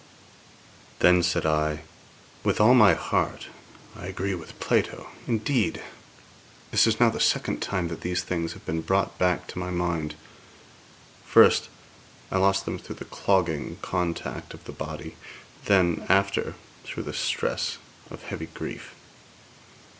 Then said I: 'With all my heart I agree with Plato; indeed, this is now the second time that these things have been brought back to my mind first I lost them through the clogging contact of the body; then after through the stress of heavy grief.'